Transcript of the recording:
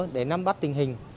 để nắm bắt tình hình